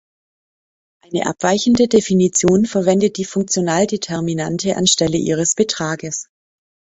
Eine abweichende Definition verwendet die Funktionaldeterminante anstelle ihres Betrages.